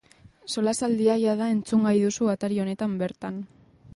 Solasaldia jada entzungai duzu atari honetan bertan.